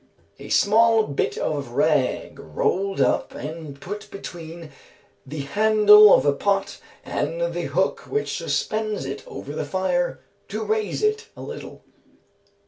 _ A small bit of rag, rolled up and put between the handle of a pot and the hook which suspends it over the fire, to raise it a little.